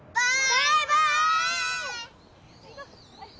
バイバーイ。